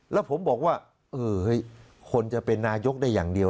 แล้วผมบอกว่าคนจะเป็นนายกได้อย่างเดียว